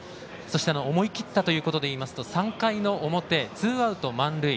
思い切ったということでいいますと３回の表、ツーアウト満塁